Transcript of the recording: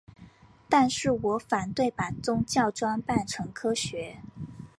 但是我反对把宗教装扮成科学。